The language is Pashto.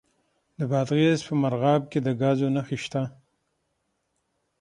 د بادغیس په مرغاب کې د ګازو نښې شته.